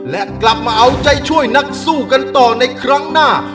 และกลับมาเอาใจช่วยนักสู้กันต่อในครั้งหน้า